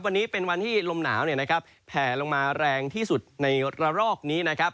วันนี้เป็นวันที่ลมหนาวแผ่ลงมาแรงที่สุดในระลอกนี้นะครับ